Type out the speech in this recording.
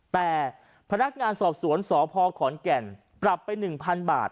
แต่พนักงานสอบสวนสพขอนแก่นปรับไป๑๐๐๐บาท